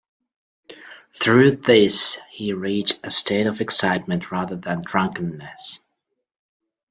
Through this he reached a state of excitement rather than drunkenness.